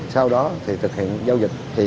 sau đó thì thực hiện giao dịch